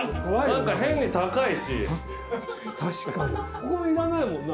ここいらないもんな。